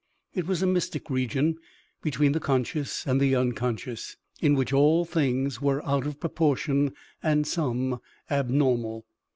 It was a mystic region between the conscious and the unconscious, in which all things were out of proportion, and some abnormal.